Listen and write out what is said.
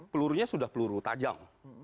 pelurunya sudah peluru tajam